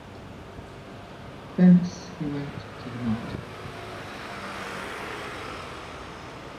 Thence he went to the mountain.